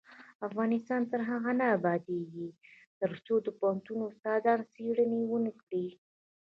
افغانستان تر هغو نه ابادیږي، ترڅو د پوهنتون استادان څیړنې ونکړي.